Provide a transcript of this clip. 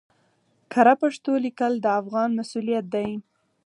کره پښتو ليکل د افغان مسؤليت دی